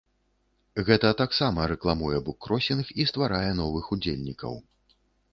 Гэта таксама рэкламуе буккросінг і стварае новых удзельнікаў.